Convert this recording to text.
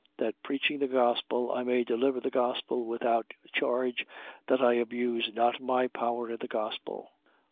That preaching the gospel, I may deliver the gospel without charge, that I abuse not my power in the gospel.